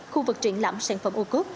khu vực triển lãm sản phẩm o cop